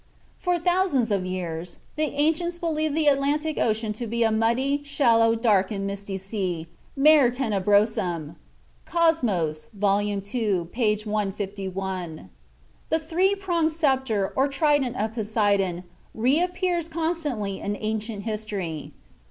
For thousands of years the ancients believed the Atlantic Ocean to be "a muddy, shallow, dark, and misty sea, Mare tenebrosum." ("Cosmos," vol. ii., p. 151.) The three pronged sceptre or trident of Poseidon reappears constantly in ancient history.